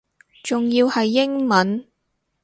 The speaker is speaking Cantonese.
仲要係英文